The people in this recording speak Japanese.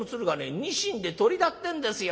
ニシンでトリだってんですよ。